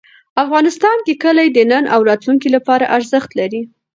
افغانستان کې کلي د نن او راتلونکي لپاره ارزښت لري.